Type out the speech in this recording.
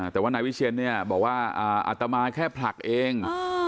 แต่ว่านายวิเชียนเนี่ยบอกว่าอัตมาแค่ผลักเอง